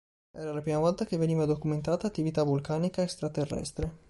Era la prima volta che veniva documentata attività vulcanica extraterrestre.